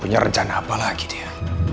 punya rencana apa lagi dia